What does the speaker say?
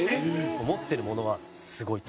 持ってるものはすごいと。